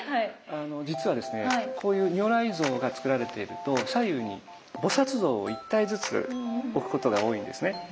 実はですねこういう如来像がつくられていると左右に菩像を１体ずつ置くことが多いんですね。